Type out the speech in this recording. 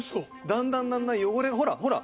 だんだんだんだん汚れがほらほら！